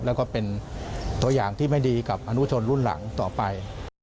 แล้วก็เป็นตัวอย่างที่ไม่ดีกับอนุชนรุ่นหลังต่อไป